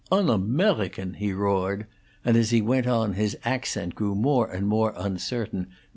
"On Amerigan!" he roared, and, as he went on, his accent grew more and more uncertain.